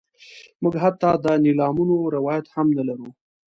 موږ حتی د نیلامونو روایت هم نه لرو.